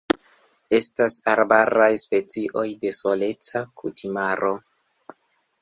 Estas arbaraj specioj de soleca kutimaro.